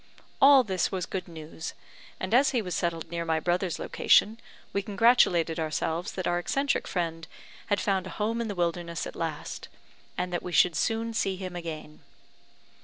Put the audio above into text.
All this was good news, and as he was settled near my brother's location, we congratulated ourselves that our eccentric friend had found a home in the wilderness at last, and that we should soon see him again.